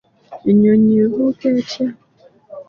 Ennyonyi ebuuka etya?